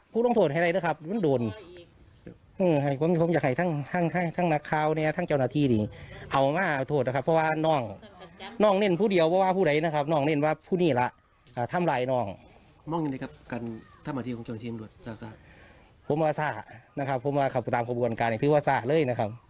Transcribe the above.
ผมว่าซ่าตามขบวนการคือว่าซ่าเลย